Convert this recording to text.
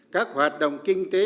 các hoạt động kinh tế